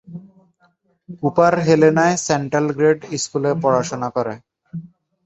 Cooper হেলেনায় central grade স্কুলে পড়াশুনা করেন।